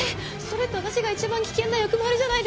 それって私が一番危険な役回りじゃないですか。